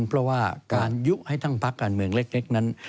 เพราะว่าการยุให้ทั้งพักการเมืองเล็กนั้น